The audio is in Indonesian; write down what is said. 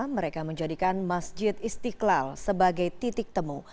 mereka menjadikan masjid istiqlal sebagai titik temu